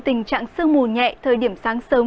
tình trạng sương mù nhẹ thời điểm sáng sớm